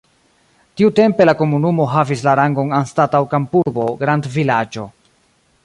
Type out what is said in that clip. Tiutempe la komunumo havis la rangon anstataŭ kampurbo grandvilaĝo.